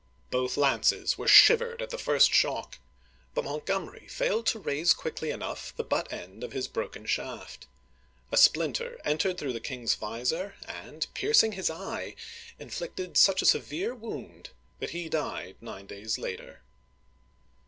Both lances were shivered at the first shock, but Montgomery failed to raise quickly enough the butt end of his broken shaft. A splinter entered through the king's visor and, piercing his eye, inflicted such a severe wound that he died nine days later.